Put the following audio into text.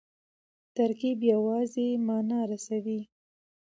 ترکیب یوازي مانا رسوي.